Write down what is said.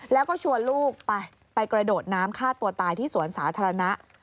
แล้วก็ชวนลูกไปไปกระโดดน้ำฆ่าตัวตายที่สวนสาธารณะ